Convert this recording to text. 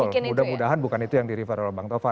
betul mudah mudahan bukan itu yang di refer oleh bang tova